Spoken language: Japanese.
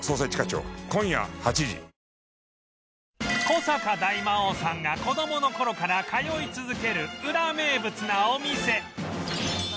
古坂大魔王さんが子供の頃から通い続けるウラ名物なお店